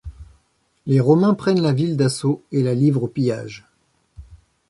Les Romains prennent la ville d'assaut et la livrent au pillage.